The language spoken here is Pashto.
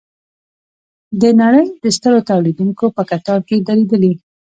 د نړۍ د سترو تولیدوونکو په کتار کې دریدلي.